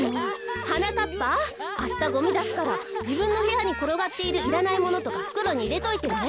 はなかっぱあしたゴミだすからじぶんのへやにころがっているいらないものとかふくろにいれといてね。